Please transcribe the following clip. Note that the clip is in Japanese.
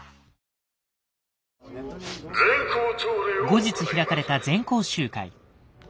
後日開かれた全校集会。